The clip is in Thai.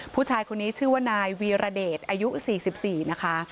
ผู้ชายคนนี้ชื่อว่านายวีรเดชอายุสี่สิบสี่นะคะ